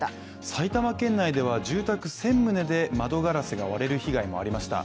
埼玉県内では住宅１０００棟で窓ガラスが割れる被害もありました。